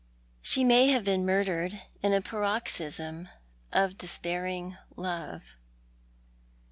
She may have been murdered in a paroxysm of despairing love."